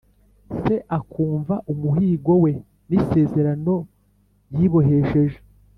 se akumva umuhigo we n isezerano yibohesheje